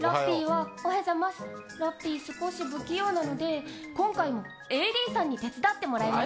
ラッピー、少し不器用なので、今回もＡＤさんに手伝ってもらいます。